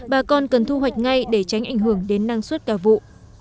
bà con cần thu hoạch ngay để tránh ảnh hưởng đến năng suất cao vụ